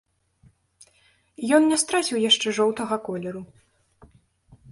Ён не страціў яшчэ жоўтага колеру.